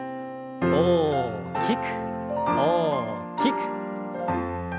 大きく大きく。